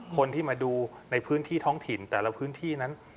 คนที่มาดูในพื้นที่ท้องถิ่นแต่ละพื้นที่นั้น